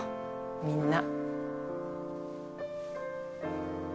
みんな。